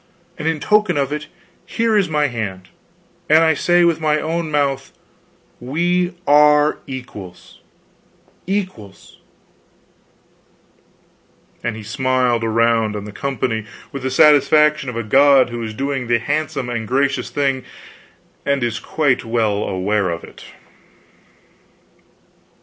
And in token of it, here is my hand; and I say with my own mouth we are equals equals" and he smiled around on the company with the satisfaction of a god who is doing the handsome and gracious thing and is quite well aware of it.